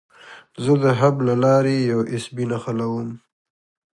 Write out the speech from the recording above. زه د هب له لارې یو ایس بي نښلوم.